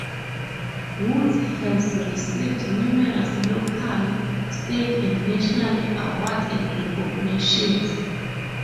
Woods has received numerous local, state, and national awards and recognitions.